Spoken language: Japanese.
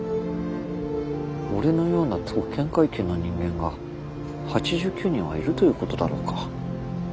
俺のような特権階級の人間が８９人はいるということだろうか？